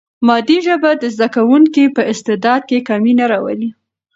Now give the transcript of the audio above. مادي ژبه د زده کوونکي په استعداد کې کمی نه راولي.